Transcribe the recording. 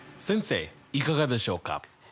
先生いかがでしょうか？